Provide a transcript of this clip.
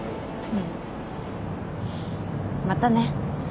またね。